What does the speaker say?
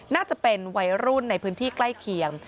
น่าจะเป็นวัยรุ่นในพื้นที่ใกล้เคียง